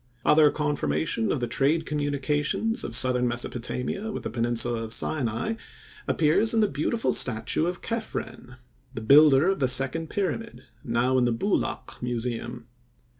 Other confirmation of the trade communications of southern Mesopotamia with the peninsula of Sinai appears in the beautiful statue of Kephren, the builder of the second pyramid, now in the Boulak museum.